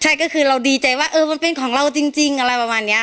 ใช่ก็คือเราดีใจว่าเออมันเป็นของเราจริงอะไรประมาณนี้